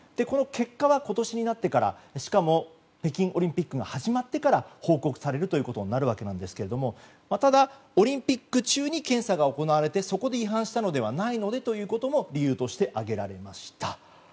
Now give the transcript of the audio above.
この結果が今年になってからしかも北京オリンピックが始まってから報告されるということになるわけなんですけどもただ、オリンピック中に検査が行われてそこで違反したのではないのでということも理由として挙げられました。